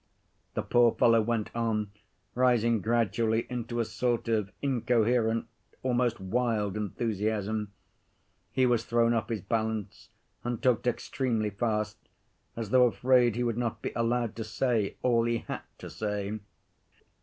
The poor fellow went on rising gradually into a sort of incoherent, almost wild enthusiasm. He was thrown off his balance and talked extremely fast, as though afraid he would not be allowed to say all he had to say.